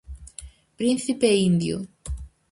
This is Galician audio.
Príncipe indio.